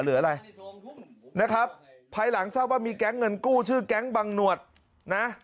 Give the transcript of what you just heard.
หรืออะไรนะครับภายหลังทราบว่ามีแก๊งเงินกู้ชื่อแก๊งบังหนวดนะ